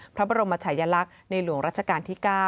พระบรมชายลักษณ์ในหลวงรัชกาลที่๙